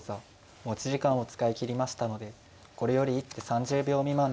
持ち時間を使い切りましたのでこれより一手３０秒未満でお願いします。